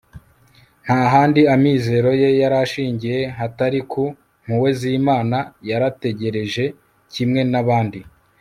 nta handi amizero ye yarashingiye hatari ku mpuhwe z'imana. yarategereje kimwe n'abandi